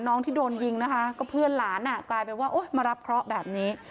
น้องที่โดนยิงนะคะก็เพื่อนหลานอ่ะกลายเป็นว่าโอ๊ยมารับเคราะห์แบบนี้